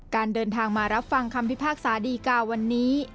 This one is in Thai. การเดินทางมารับฟังคำพิพากษาดีกาวันนี้